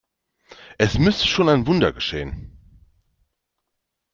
Es müsste schon ein Wunder geschehen.